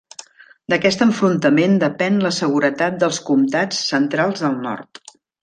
D'aquest enfrontament depèn la seguretat dels comtats centrals del Nord.